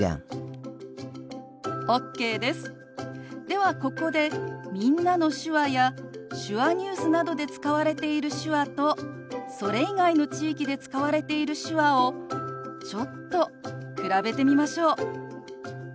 ではここで「みんなの手話」や「手話ニュース」などで使われている手話とそれ以外の地域で使われている手話をちょっと比べてみましょう。